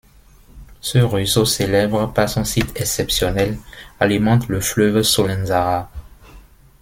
Ce ruisseau célèbre par son site exceptionnel, alimente le fleuve Solenzara.